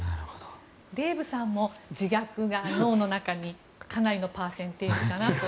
デーブさんも自ギャグが脳の中にかなりのパーセンテージかなと。